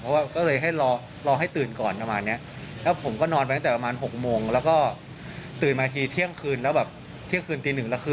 เพราะว่าก็เลยให้รอให้ตื่นก่อนประมาณเนี้ยแล้วผมก็นอนไปตั้งแต่ประมาณ๖โมงแล้วก็ตื่นมาทีเที่ยงคืนแล้วแบบเที่ยงคืนตีหนึ่งแล้วคือ